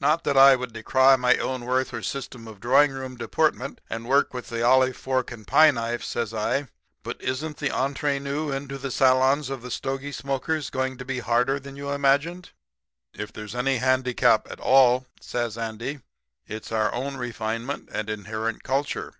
Not that I would decry my own worth or system of drawing room deportment, and work with the olive fork and pie knife,' says I, 'but isn't the entree nous into the salons of the stogie smokers going to be harder than you imagined?' "'If there's any handicap at all,' says Andy, 'it's our own refinement and inherent culture.